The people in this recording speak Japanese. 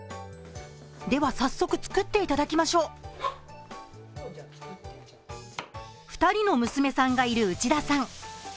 では早速、作っていただきましょう２人の娘さんがいる内田さん。